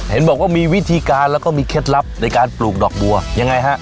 เห็นบอกว่ามีวิธีการแล้วก็มีเคล็ดลับในการปลูกดอกบัวยังไงฮะ